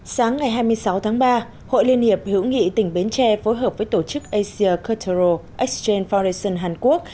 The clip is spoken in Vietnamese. sáng ngày hai mươi sáu tháng ba hội liên hiệp hữu nghị tỉnh bến tre phối hợp với tổ chức asia cultural exchange foundation hàn quốc